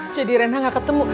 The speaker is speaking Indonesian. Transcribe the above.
jadi rena nggak ketemu